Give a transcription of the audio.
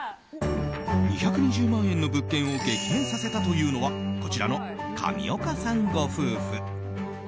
２２０万円の物件を激変させたというのはこちらの上岡さんご夫婦。